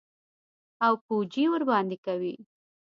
او پوجي ورباندي کوي.